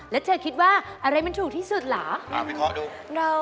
แล้วเธอคิดว่าอะไรมันถูกที่สุดเหรอ